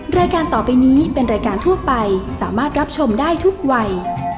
รายการต่อไปนี้เป็นรายการทั่วไปสามารถรับชมได้ทุกวัย